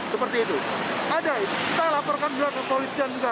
seperti itu ada kita laporkan juga ke polisian juga